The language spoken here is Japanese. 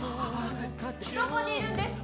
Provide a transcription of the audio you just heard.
どこにいるんですか？